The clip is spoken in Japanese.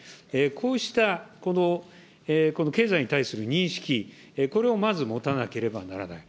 こうした経済に対する認識、これを、まず持たなければならない。